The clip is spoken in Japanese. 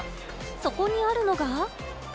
そこにあるのが。